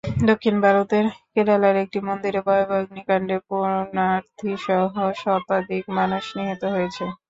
দক্ষিণ ভারতের কেরালার একটি মন্দিরে ভয়াবহ অগ্নিকাণ্ডে পুণ্যার্থীসহ শতাধিক মানুষ নিহত হয়েছে।